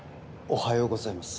おはようございます。